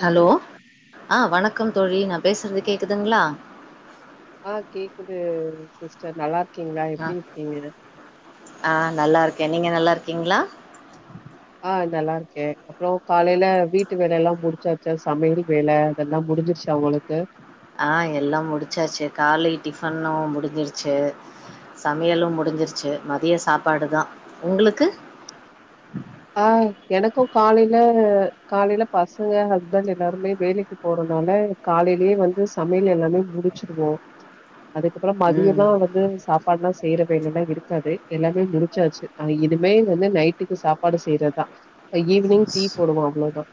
Hello ஆ வணக் க்கம் தோழி நா பேசுறது கேக்குதுங்களா ஆ கேக்குது சிஸ்டர் நல்லா இருக்கீங்களா ஆ எப்டி இருக்கீங்க ஆ நல்லா இருக்க நீங்க நல்லா இருக்கீங்களா ஆ நல்லா இருக்க அப்ற காலையில வீட்டு வேல எல்லா முடிச்சாச்சா சமையல் வேல அதெல்லா மு முடிஞ்சிருச்சா உங்களுக்கு ஆ எல்லா முடிச்சாச்சு காலை டிஃபன்னு முடிஞ்சிருச்சு சமையலு முடிஞ்சிருச்சு மதிய சாப்பாடுதா உங்களுக்கு ஆ எனக்கு காலைல காலைல பசங்க ஹஸ்பண்ட் எல்லாருமே வேலைக்கு போற அதனால காலையிலேயே வந்து சமையல் எல்லாமே முடிச்சிருவோ அதுக்கப்புற மதியமா ம் வந்து சாப்பாடுல்லா செஞ் செய்யற வேலலா எல்லா இருக்காது எல்லாமே முடிச்சாச்சு இனிமே வந்து நைட்டுக்கு சாப் சாப்பாடு செய்யறதா ஈவினிங் டீ போடுவோ அவ்ளோதா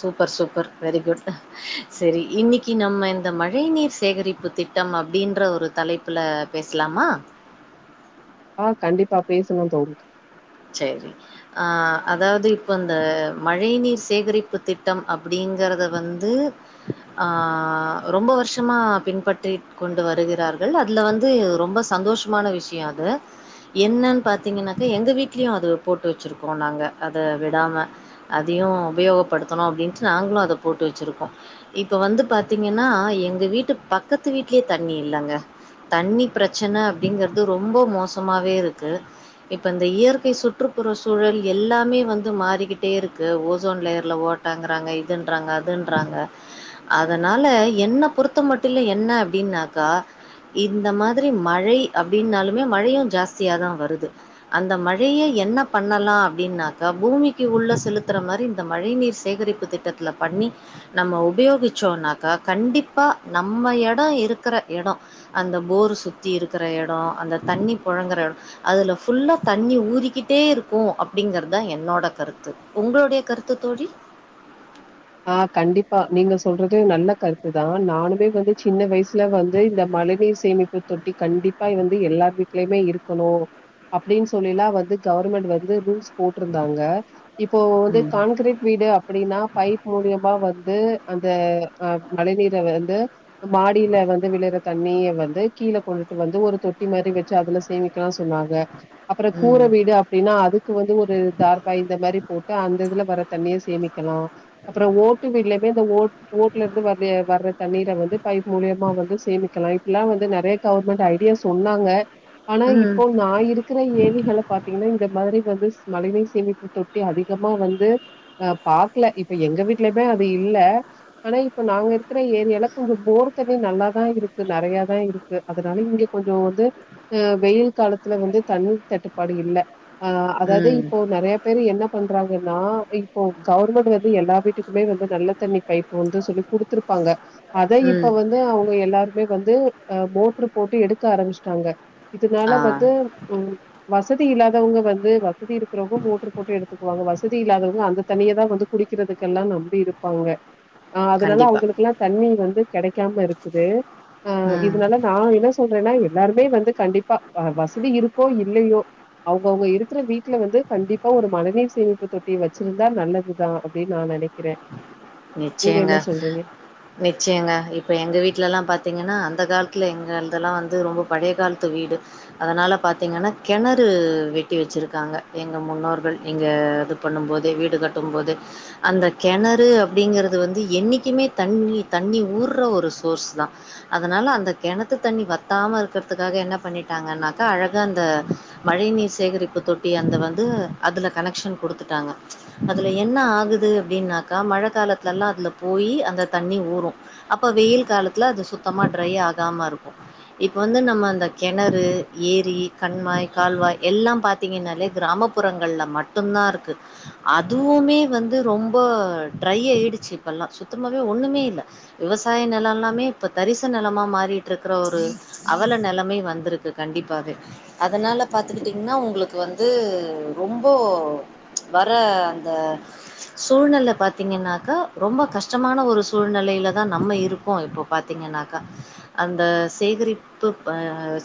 சூப்பர் சூப்பர் வெரி குட் சரி இன்னிக்கி நம்ம இந்த மழை நீர் சேகரிப்பு திட் நம்ம அப்டின்ற ஒரு தலைப்புல பேசலாமா ஆ கண்டிப்பா பேசுங்க தோழி சரி ஆ அதாவது இப்ப இந்த மழை நீர் சேகரிப்பு திட்டம் அப்டி ங்கறத வந்து ஆ ரொம்ப வருஷமா பின்பற்றி கொண்டு வருகிற றார்கள் அதுல வந்து ரொம்ப சந்தோஷமான விஷய அது என்னன்னு பாத்தீங்கன்னாக்கா எங்க வீட் லயு போட்டு வச்சிருக்கோ நாங்க அத விடாம அதையு உபயோகப்படுத்தணு அப்டின்டு நாங் களு அத போட்டு வச்சிருக்கோ இப்ப வந்து பாத்தீங்கன்னா எங்க வீட்டு பக்கத்து வீட்லயே தண்ணி இல்லங்க தண்ணி பிரச்சன அப்படிங்கிறது ரொம்ப மோசமாவே இருக்கு இப்ப இந்த இயற் கை சுற்றுப்புற சூழல் எல்லாமே வந்து மாறிக்கிட்டே இருக்கு ஓசோன் லேயர்ல ஓட்டங்கிறாங்க இது இதுங்றாங்க அதுன்றாங்க அதனால என்ன பொறுத்த மட்டிலு என்ன அப்படின்னாக்கா இந்த மாதிரி மழை அப்படின்னாலுமே மழையு ஜாஸ்தியாதா வருது அந்த மழை மழைய என்ன பண்ணலா அப்படின்னாக்க பூமிக்கு உள்ள செலுத்துற மாரி இந்த மழை நீர் சேகரிப்பு திட்டத் ல பண்ணி நம்ம உபயோகிச்சோனாக்கா கண்டிப்பா நம்ம எடோ இருக்கிற எடோ அந்த போர் சுத்தி இருக்கிற எடோ அந்த தண்ணி புழங்குற எடோ அதுல ஃபுல்லா தண்ணி தண்ணி ஊறிக்கிட்டே இருக்கு அப்படிங்கறதா என்னோட கருத்து உங்களுடைய கருத்து தோழி ஆ கண்டிப்பா நீங்க சொல்றது நல்ல கருத்துதா நானுமே வந்து சின்ன வயசு ல வந்து இந்த மழைநீர் சேமிப்பு தொட்டி கண்டிப்பா வந்து எல்லார் வீட்லையுமே இருக்கணு அப்படின் சொல்லிலா வந்து கவர்மெண்ட் வந்து ரூல்ஸ் போட்ருந்தாங்க இப்போ வந்து ம் கான்கிரீட் வீடு அப்டின்னா மூலியமா வந்து அந்த அ மழை நீர வந்து மாடியில வந்து விழுற தண்ணிய வந்து கீழே கொண்டுட்டு வந்து ஒரு தொட்டி மாதிரி வச்சு அதுல சேமிக்கலா சொல்வாங்க அப்புறோ கூரை ம் வீடு அப்டின்னா அதுக்கு வந்து ஒரு தார்பாய் இந்த மாதிரி போட்டு அந்த இதுல வர தண்ணியே சேமிக்கலா அப்புற ஓட்டு விடுலையுமே இந்த ஓ ஓட்டுல இருந்து வர்ற தண்ணீரை வந்து பைப் மூலியமா வந்து சேமி கி லைஃப் லாங் வந்து நெறைய கவர்மெண்ட் ஐடியா சொன்னாங்க ஆனா ம் இப்போ நா இருக்கிற ஏணிகள பாத்தீங்கனா இந்த மாதிரி வந்து ஸ் மழைநீர் சேமிப்பு தொட்டி அதிகமா வந்து அ பாக்கல இப் ப எங்க வீட்லயுமே அது இல்ல ஆனா இப்ப நாங்க இருக்கிற ஏரியால கொஞ்சோ போர் தண்ணி நல்லா தான் இருக் கு நெறைய தா இருக்கு அதுனால இங்க கொஞ்சோ வந்து அ வெயில் காலத்துல வந்து தண்ணீர் தட்டுப்பா டு இல்ல அ அதாவ்து ம் இப்போ நெறைய பேரு என்ன பண்றாங்கனா இப்போ கவுர்மெண்ட் வந் து எல்லா வீட்டுக்குமே வந்து நல்ல தண்ணி பைப்பு வந்து சொல்லி குடுத்துருப்பாங்க அத ம் இப்ப வந்து அவுங்க எல்லாருக்குமே வந்து அஹ் மோட்ரு போட்டு எடுக்க ஆரம்பிச்சிட்டாங்க இதுனால ஆ வந்து உம் வசதி இல்லாதவுங்க வந்து வசதி இருக்கிறவுங்க மோட்டரு போட்டு எடுத்துக்குவாங்க வசதி இல்லாதவங்க அந்த தண்ணிய தா வந்து குடிக்கிறதுக்கெல்லா நம்பி இருப்பாங்க ஆஹ் அதுனால கண்டிப்பா அவுங்களுக்குல்லா தண்ணி வந்து கெடைக்காம இருக்குது ஆஹ் ம் இதுனால நா என்ன சொல்றேனா எப் எல்லாருமே வந்து கண்டிப்பா அ வசதி இருக்கோ இல்லையோ அவுங்க அவுங்க இருக்கிற வீட்ல வந்து கண்டிப்பா ஒரு மழநீர் சேமிப்பு தொட்டிய வச்சிருந்தா நல்லதுதா அப்டினு நா நெனக்கிறே நீங்க என்ன நிச்சயங்க சொல்றீங்க நிச்சயங்க இப்ப எங்க வீட்லல்லா பாத்தீங்கனா அந்த கால் த்தில எங்க இதெல்லா வந்து ரொம்ப பழய காலத்து வீடு அதனால பாத்தீங்கனா கெணறு வெட்டி வச் சுருக்காங்க எங்க முன்னோர்கள் இங்க இது பண்ணுபோது வீடு கட்டு போது அந்த கெணறு அப்டிங்கறது வந்து என்னைக்குமே தண்ணி தண்ணி ஊர்ற ஒரு சோர்ஸ் தா அதனா ல அந்த கெணத்து தண்ணி வத்தாம இருக்குறதுக்காக என்ன பண்ணிட்டாங்கனாக்க அழகா அந்த மழை நீர்ஸ் சேகரிப்பு தொட்டி அந்த வந்து அதுல கனெக்ஷன் குடுத்துட்டாங்க அதுல என்ன ஆகுது அப்டினாக்கா மழ காலத்துலல்லா அதுல போய் அந்த தண்ணி ஊரு அப்ப வெயில் காலத்தில அது சுத்தமா டெரை ஆகாம இருக்கும் இப்ப வந்து நம்ம அந்த கெணறு ஏரி கண்மாய் கால்வாய் எ எல்லா பாத்தீங்கனாலே கிராமப்புறங்கள்ல மட்டுதா இருக்கு அதுவுமே வந்து ரொம் போ ட்ரைய ஆடுச்சு இப்பல்லா சுத்தமாவே ஒண்ணுமே இல்ல விவசாய நெலோ எல்லாமே இப்ப தரிசுன் நெலமா மாறிட்டுருக்கற ஒரு அவல நெலைமை வந்திருக்கு கண்டிப்பாவே அதுனால பாத்துகிட்டீங் னா உங்களுக்கு வந்து ரொம்ப வர அந்த சூழ்நெல பாத்தீங்கனாகா ரொம்ப கஷ்டமான ஒரு சூழ்நெலைல தா நம்ம இருக்கோ இப்போ பாத்தீங்கன் னாக்கா அந்த சேகரிப்பு ப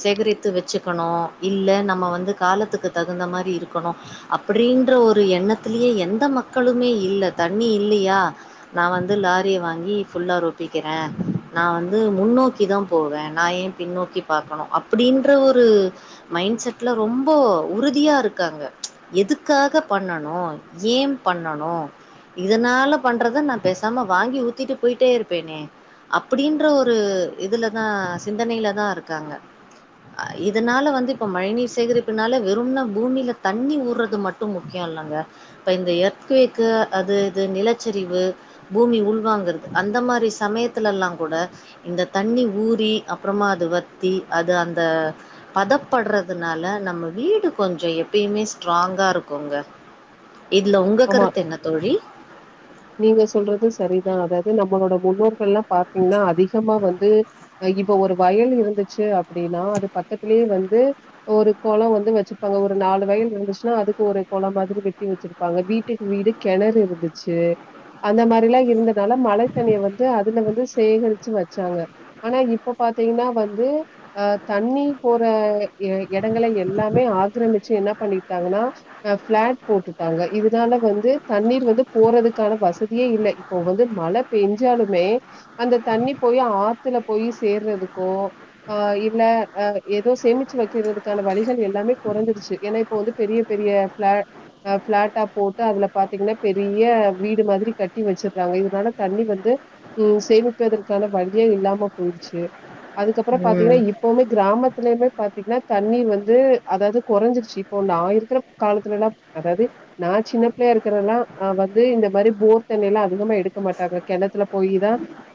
சேகரித்து வச்சுக்கணு இல்ல நம்ம வந்து காலத்துக்கு தகுந்த மாரி இருக்கணு அப்டின்ற ஒரு எண்ணத்திலேயே எந்த மக்களுமே இல்ல தண்ணி இல்லீயா நா வந்து லாரிய வாங்கி ஃபுல்லா ரொப்பிக்கிறே நா வந்து முன்னோக்கி தா போவே நா ஏ பின்னோக்கி பாக்கணு அப்டின்ற ஒரு மைண்ட் செட்ல ரோ ரொம்போ உறுதியா இருக்காங்க எதுக்காக பண்ணணு ஏ பண்ணணு இதுனால பண்றத நா பேசாம வாங்கி ஊத்திட்டு போயிட்டே இருப்பேனே அப்டின்ற ஒரு இதுலதா சிந்தனைல தா இருக்காங்க அ இதுனால வந்து இப்ப மழைநீர் சேகரிப்புனாலே வெறும்ன பூமில தண்ணி ஊர்றது மட்டு முக்கியோ இல்லங்க இப்ப இந்த எர்த் குவிக்கு அது இது நிலச்சரிவு பூமி உள்வாங்கிறது அந்த மாரி சமயத்தலல்லா கூட இந்த தண்ணி ஊறி அப்பறமா அது வத்தி அது அந்த பதப்படுறதுனால நா நம்ம வீடு கொஞ்சோ எப்பயுமே ஸ்ட்ராங்கா இருக்குங்க இதுல உங்க ஆமா கருத்து என்ன தோழி நீங்க சொல்றது சரிதா அதாவது நம்மளோட முன்னோர்கள்லா பாத்தீங்கனா அதிகமா வந்து இப் ப ஒரு வயல் இருந்துச்சு அப்டினா அது பக்கத்திலேயே வந்து ஒரு கொளோ வந்து வச்சிருப்பாங்க ஒரு நா நாலு வயல் இருந்துச்சுனா அதுக்கு ஒரு கொளோ மாதிரி வெட்டி வச்சிருப்பாங்க வீட்டிற்கு வீடு கெணறு இருந்துச்சு அந்த மாதிரலா இருந்தனால மழைத்தண்ணிர் வந்து அதுல வந்து சேகரிச்சு வச்சாங்க ஆனா இப் போ பாத்தீங்கனா வந்து அ தண்ணி போற எ எடங்கள எல்லாமே ஆக்கிரமிச் சு என்ன பண்ணிட்டாங்கனா அ ஃபிளாட் போட்டுட்டாங்க இதுனால வந்து தண்ணீர் வந்து போறதுக் கான வசதியே இல்ல இப்போ வந்து மழ பெஞ்சாலுமே அந்த தண்ணி போய் ஆத்துல போயி சேர்றதுக்கோ ஆ இல்ல அ எதோ சேமிச்சு வைக்கறதுக்கான வழிகள் எல்லாமே கொறைஞ்சிருச்சு ஏனா இப்ப வந்து பெரிய பே பெரிய ஃபிளாட் ஃபிளாட்டா போட்டு அதுல பாத்தீங்கன்னா பெரிய வீடு மாதிரி கட்டி வெச்சிறாங்க இதுனால தண்ணி வந்து ம் சேமிப்பதற்கான வழியே இல்லாம போயி ச்சு அதுக்கப்ரோ பாத்தீங்னா ம். இப்பமே கிராமத்துலயுமே பாத்தீங்கன்னா தண்ணீர் வந்து அதாவது கொறைஞ்சிருச்சு இப்போ நா இருக்குற காலத்துலலா அதாவது நா சின்ன பிள்ளையா இருக்குறன்னா வ ந்து இந்த மாரி போர் தண்ணி எல்லா அதிகமா எடுக்க மாட்டாங்க கெணத்துல போயி தா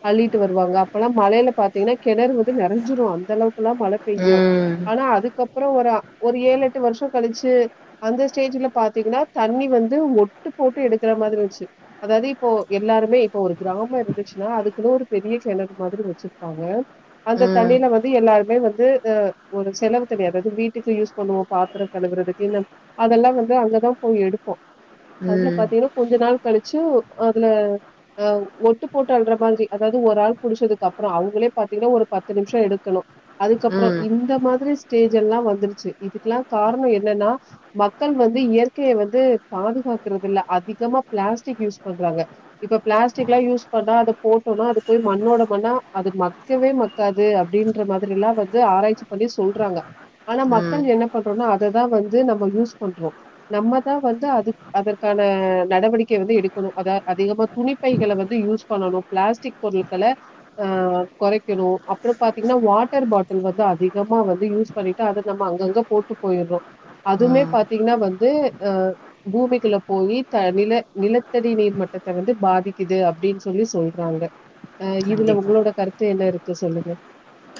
அள்ளிட்டு வருவாங்க அப்பெல்லா மழ ல பாத்தீங்கன்னா கெணறு வந்து நெரஞ்சிரு அந்தளவுக்குலா மழ பெய்யு ம். ஆனா அதுக்கப்றம் ஒர ஒரு ஏழு எட்டு வருஷோ கழிச்சு அந்த ஸ்டேஜ்ல பாத்தீங்னா தண்ணி வ வந்து ஒட்டு போட்டு எடுக்க க்குற மாதிரி ந்துச்சு அதாது இப்போ எல்லாருமே இப்ப ஒரு கிராம இருந்துச்சுன்னா அதுக்குன்னு ஒரு பெரிய கெணறு மாதிரி வெச்சிருப்பாங்க அந்த ம். தண்ணில வந்து எல்லாருமே வந்து ஆ ஒரு செலவு தண்ணி அதாது வீட்டுக்கு யூஸ் பண்ணுவோ பாத்திரொ கழுவுறதுக்கு [unintelligible] அதெல்லா வந்து அங்கதா போய் எடுப்போ அதுல ம். பாத்தீனா [unintelligible] நாள் கழிச்சு அதுல அ ஒட்டு போட்டு அல்ற மாதிரி அதாவது ஒரு ஆள் புடிச்சதுக்கு அப்றோ அவங்ளே பாத்தீங்னா ஒரு பத்து நிம்ஷம் எடுக்கணு அதுக்கப்றோ ம். இந்த மாதிரி ஸ்டேஜ் எல்லா வந்துருச்சு இதுக்குல்லா காரணோ என்னன்னா மக்கள் வந்து இயற்கையை வந்து பாது காக்குறது இல்ல அதி கமா பிளாஸ்டிக் யூஸ் பண்றாங்க இப்ப பிளாஸ்டிக்லா யூஸ் பண்ணா அத போட்டோனா அது போய் மண்ணோட மண்ணா அது மக்கவே மக்காது அப்டின்ற மாதிரி எல்லா வந்து ஆராய்ச்சி பண்ணி சொல்றாங்க ஆனா ம். மக்கள் என்ன பண்றோனா அததா வந்து நம்ம யூஸ் பண்றோ நம்மதா வந்து அது அதற் [unintelligible] கான நடவடிக்கை வந்து எடுக்கணு அத அதிகமா துணிப்பைகள வந்து யூஸ் பண்ணணு பிளாஸ்டிக் பொருள்கள அ அ கொறைக்கணு அப்றம் பாத்தீங்கன்னா வாட்டர் பாட்டல் வந்து அதிகமா வந்து யூஸ் பண்ணிட்டு அத நம்ம அங்க கங்க போட்டு போயிர்றோ அதுமே ம். பாத்தீங்னா வந்து அ பூமிக்குள்ள போயி த நில நிலத்தடி நீர் மட்டத்த வந்து பாதிக்குது அப்டின் சொல்லி சொல்றாங்க அ இதுல கண்டிப்பா. உங்ளோட கருத்து என்ன இருக்கு சொல்லுங்க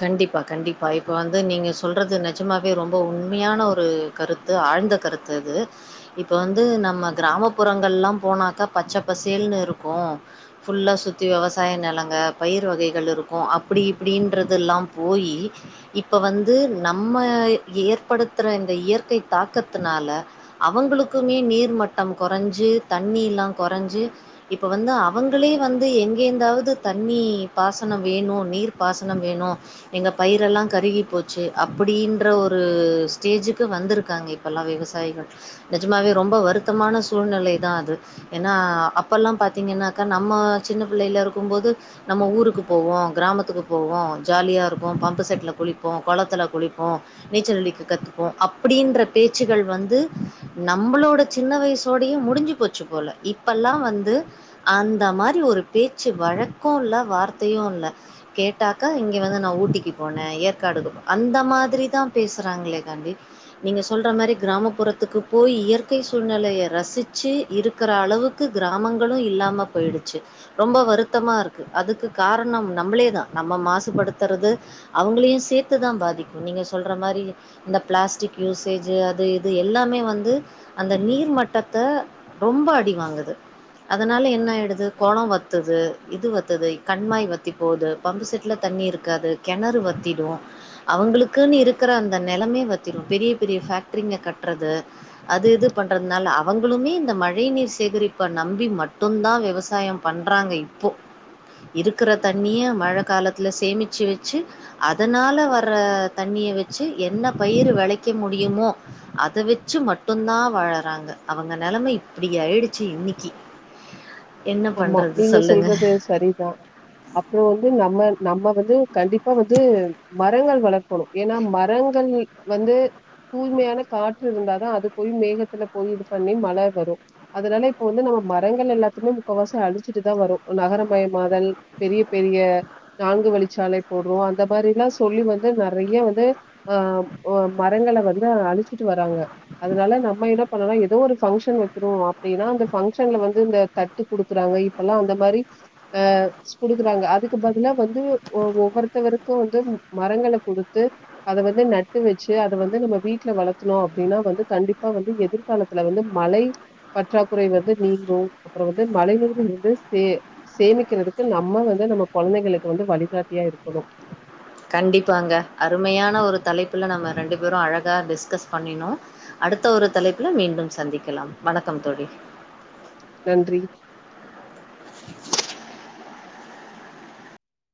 கண்டிப்பா கண்டிப்பா இப்ப வந்து நீங்க சொல்றது நெஜமாவே ரொம்ப உண்மையான ஒரு கருத்து ஆழ்ந்த கருத்து அது இப்ப வந்து நம்ம கிராமப்புறங்கள்லா போனாக்கா பச்ச பசேல்னு இரு க்கு ஃபுல்லா சுத்தி விவசாய நெலங்க பயிர் வகைகள் இருக்கு அப்டி இப்டின்ற து எல்லா போயி இப்ப வந்து நம்ம ஏற்படுத்துற இந்த இயற்கை தாக் கத்துனால அவுங்களுக்குமே நீர்மட்டம் கொறைஞ்சு தண்ணி எல்லா கொறைஞ்சு இப்ப வந்து அவுங்களே வந்து எங்கேந்தாவது தண்ணி பாசன வேணு நீர் பாசனம் வேணு எங்க பயிரெல்லா கருகி போச்சு அப்டின்ற ஒரு ஸ்டேஜுக்கு வந்துருக்காங்க இப்பெல்லா விவசாயிகள் நிஜமாவே ரொம்ப வருத்தமான சூழ்நிலைதா அது ஏனா அப்பல் ல்லா பாத்தீங்கனாக்கா நம்ம சின்ன புள்ளைல ருக்கும்போது நம்ம ஊருக்கு போவோ கிராமத்துக்கு போவோ ஜாலியாருக்கு பம்பு செட்ல குளிப்போ கொளத்துல குளிப்போ நீச்சல் அடிக்க கத்துப்போ அப்டின்ற பே பேச்சுகள் வந்து நம்ளோட சின்ன வயசோடயே முடிஞ்சு போச்சு போல இப்பல்லா வந்து அந்த மாரி ஒரு பேச்சு வழக்கு இல்ல வார்த்தையு இல்ல கேட்டா க்க இங்க வந்து நா ஊட்டிக்கு போனே ஏற்காடுக் அந்த மாதிரிதா பேசுறாங்களே காண்டி நீங்க நீங்க சொல்ற மாரி கிராமப்புறத்துக்கு போய் இயற்கை சூழ்நெலைய ரசிச்சு இருக்குற அளவுக்கு கிராம ராமங்களு இல்லாம போயிடுச்சு ரொம்ப வருத்தமாருக்கு அதுக்கு காரணம் நம்ளே தா நம்ம மாசுபடுத்தறது அவங்களையு சேத்து தா பாதிக்கும் நீங்க சொல்ற மாரி இந்த பிளாஸ்டிக் யூசேஜு அது இது எல்லாமே வந்து அந்த நீர்மட்டத்த ரொம்ப அடிவாங்குது அதனால என்ன ஆயிடுது கொலம் வத்துது இது வத்துது கண்மாய் வத்தி போகது பம்பு செட்ல தண்ணி இருக்காது கெணறு வத்திடு அவங்களுக்குன்னு இருக்குற அந்த நெலமே வத்திரு பெரிய பெரிய ஃபேக்டரிங்க கட்டுறது அது இது பண்றதுனால அவங்களுமே இந்த மழை நீர் சேகரி ப்ப நம்பி மட்டுந்தா விவசாயம் பண்றாங்க இப்போ இருக்குற தண்ணிய மழை காலத்துல சேமிச்சு வச்சு அதனால வர தண்ணிய வச்சு என்ன பயிறு விளைக்க முடியுமோ அத வெச்சு மட்டுந்தா வாழறாங்க அவுங்க நிலைமை இப்டி ஆயிடுச்சு இன்னிக்கி என்ன ஆமா பண்றது நீங்க சொல்லுங்க சொல்றது சரிதா அப்றோ வந் து நம்ம நம்ம வந்து கண்டிப்பா வந்து மரங்கள் வளர்க்கணு ஏன்னா மரங்கள் வந் து தூய்மையான காற்று இருந்தாதா அது போய் மேகத்துல போய் இது பண்ணி மழ வரு அதனால இப்ப வந்து நம்ம மரங்கள் எல்லாத்திலும் முக்காவாசி அழிச்சிட்டு தா வரோ நகரமயமாதல் பெரிய பெரிய நான்கு வழிச்சாலை போடுறோ அந்த மாரிலா சொல்லி வந்து நெறைய வந்து ஆ மரங்கள வந்து அழிச்சிட்டு வராங்க அதனால நம்ம என்ன பண்ணலா ஏதோ ஒரு பங்க்ஷன் வக்கிறோ அப்டின்னா அந்த பங்கஷன்ல வந்து இந்த தட் டு குடுக்குறாங்க இப்பெல்லா அந்த மாரி ஆ குடுக்குறாங்க அதுக்கு பதிலா வந்து ஒவ் ஒவ்வொருத்த தருக்கு வந்து மரங்கள குடுத்து அத வந்து நட்டு வச்சி அத வந்து நம்ம வீட்ல வளத்ணோ அப்டினா வந்து கண்டிப்பா வந்து எதிர்காலத்துல வந்து மழை பற்றாக்குறை வந்து நீங்கு அப்றோ வந்து மழை நீீர் இருந்து சே சேமிக்கிறதுக்கு நம்ம வந்து நம்ம கொழந்தைகளுக்கு வந்து வழிகாட்டியா இரு க்கணும் கண்டிப்பாங்க அருமையான ஒரு தலைப்புல நம்ம ரெண்டு பேரு அழகா டிஸ்கஸ் பண்ணினோ அ அடுத்த ஒரு தலைப்புல மீண்டும் சந்திக்கலாம் வணக்கம் தோழி நன்றி